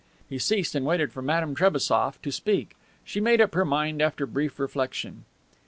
'" He ceased and waited for Madame Trebassof to speak. She made up her mind after brief reflection.